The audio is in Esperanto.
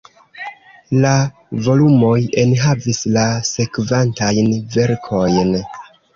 La volumoj enhavis la sekvantajn verkojn.